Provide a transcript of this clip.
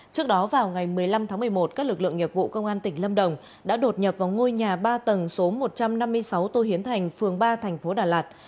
trước đó vào ngày một mươi năm tháng một mươi một các lực lượng nghiệp vụ công an tỉnh lâm đồng đã đột nhập vào ngôi nhà ba tầng số một trăm năm mươi sáu tô hiến thành phường ba thành phố đà lạt